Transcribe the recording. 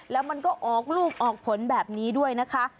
แล้วมันก็ออกลูกออกผลแบบนี้ด้วยนะคะ